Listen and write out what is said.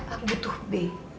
aku butuh b